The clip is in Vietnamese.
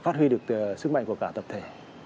phát huy được sức mạnh của cả tập thể